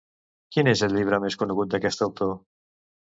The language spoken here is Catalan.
Quin és el llibre més conegut d'aquest autor?